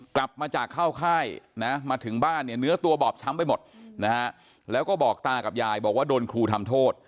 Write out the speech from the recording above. กลับมาจากเข้าค่ายนะมาถึงบ้านเนี่ยเนื้อตัวบอบช้ำไปหมดนะฮะแล้วก็บอกตากับยายบอกว่าโดนครูทำโทษ